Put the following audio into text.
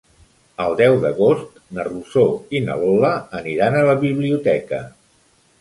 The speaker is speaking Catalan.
El deu d'agost na Rosó i na Lola aniran a la biblioteca.